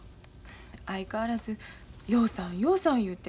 相変わらず陽さん陽さん言うて。